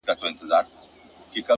تا په درد كاته اشنا.!